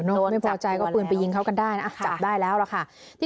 โน้นจับตัวแล้วจับได้แล้วล่ะค่ะ